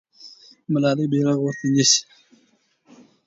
ملالۍ بیرغ ورته نیسي.